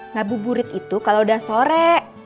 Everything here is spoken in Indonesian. ngabuburit itu kalau udah sore